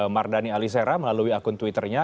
mardani alisera melalui akun twitternya